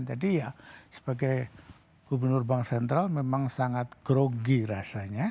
jadi ya sebagai gubernur bank sentral memang sangat grogi rasanya